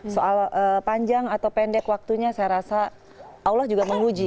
soal panjang atau pendek waktunya saya rasa allah juga menguji